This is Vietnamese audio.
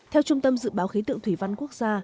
theo trung tâm dự báo khí tượng thủy văn quốc gia